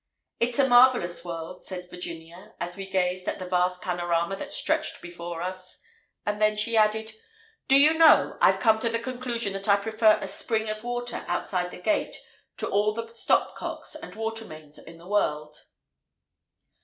"It's a marvellous world," said Virginia as we gazed at the vast panorama that stretched before us; and then she added, "Do you know, I've come to the conclusion that I prefer a spring of water outside the gate to all the stop cocks and water mains in the world."